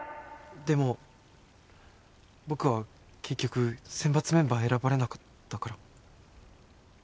でも僕は結局選抜メンバー選ばれなかったから。